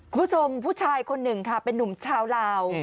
คุณผู้ชมผู้ชายคนหนึ่งค่ะเป็นนุ่มชาวลาว